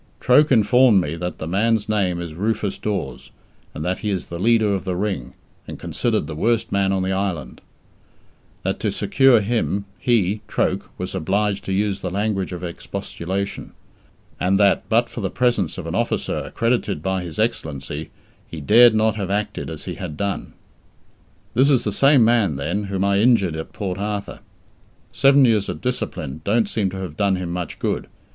Troke informed me that the man's name is Rufus Dawes, and that he is the leader of the Ring, and considered the worst man on the island; that to secure him he (Troke) was obliged to use the language of expostulation; and that, but for the presence of an officer accredited by his Excellency, he dared not have acted as he had done. This is the same man, then, whom I injured at Port Arthur. Seven years of "discipline" don't seem to have done him much good.